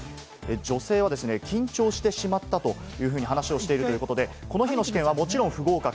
女性は緊張してしまったというふうに話をしているということで、この日の試験はもちろん不合格。